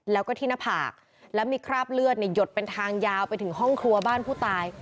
แล้วก็ที่หน้าผากแล้วมีคราบเลือดหยดเป็นทางยาวไปถึงห้องครัวบ้านผู้ตาย